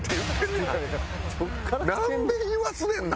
なんべん言わすねんな。